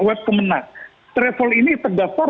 web kemenang travel ini terdaftar